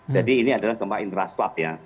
jadi ini adalah gempa intraslav ya